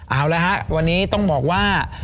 เอาละฮะวันนี้ต้องบอกว่า